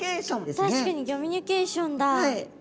確かにギョミュニケーションだ。